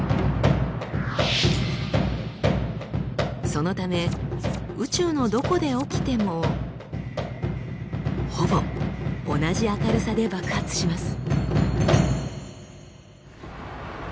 そのため宇宙のどこで起きてもほぼ同じ明るさで爆発します。